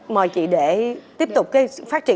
mời chị để tiếp tục phát triển